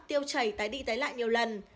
tiêu chảy tái đi tái lại nhiều lần